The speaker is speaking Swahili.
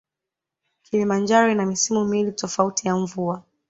Kilimanjaro ina misimu miwili tofauti ya mvua